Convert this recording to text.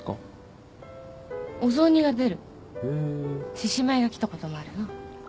獅子舞が来たこともあるな。